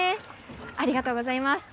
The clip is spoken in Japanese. ありがとうございます。